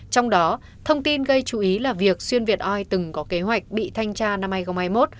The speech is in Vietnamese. trong đó thông tin gây chú ý là việc xuyên việt oi từng có kế hoạch bị thanh tra năm hai nghìn hai mươi một